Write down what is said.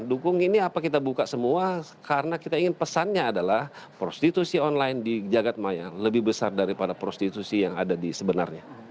dukung ini apa kita buka semua karena kita ingin pesannya adalah prostitusi online di jagadmaya lebih besar daripada prostitusi yang ada di sebenarnya